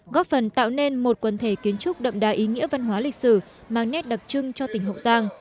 góp phần tạo nên một quần thể kiến trúc đậm đà ý nghĩa văn hóa lịch sử mang nét đặc trưng cho tỉnh hậu giang